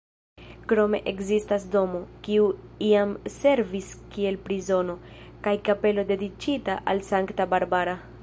Krome ekzistas domo, kiu iam servis kiel prizono, kaj kapelo dediĉita al Sankta Barbara.